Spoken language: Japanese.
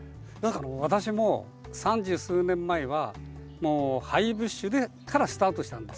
私も三十数年前はハイブッシュからスタートしたんです。